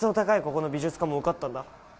ここの美術科も受かったんだ